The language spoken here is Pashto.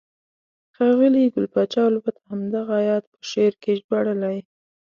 ښاغلي ګل پاچا الفت همدغه آیت په شعر کې ژباړلی: